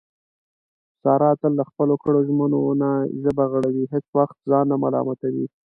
ساره تل له خپلو کړو ژمنو نه ژبه غړوي، هېڅ وخت ځان نه ملامتوي.